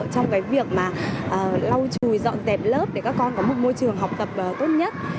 trong cái việc mà lau chùi dọn dẹp lớp để các con có một môi trường học tập tốt nhất